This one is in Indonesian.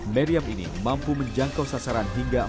meriam ini mampu menjangkau sasaran hingga empat puluh